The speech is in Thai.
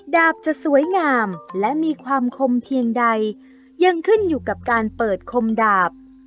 ดาบจะสวยงามและมีความคมเพียงใดยังขึ้นอยู่กับการเปิดคมดาบ